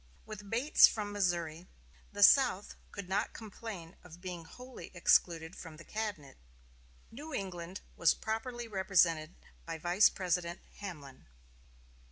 With Bates from Missouri, the South could not complain of being wholly excluded from the cabinet. New England was properly represented by Vice President Hamlin.